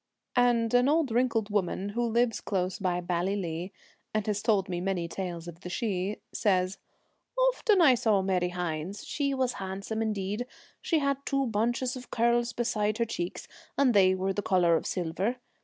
And an old wrinkled woman who lives close by Ballylee, and has told me many tales of the Sidhe, says, ' I often saw Mary Hynes, she was handsome indeed. She had two bunches of curls beside her cheeks, and they were the colour of silver.